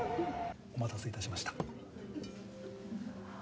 お待たせ致しました。